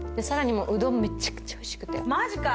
もううどんめちゃくちゃおいしくてマジか